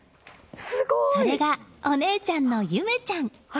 それがお姉ちゃんの優芽ちゃん